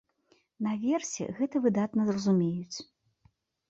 Наверсе гэта выдатна разумеюць.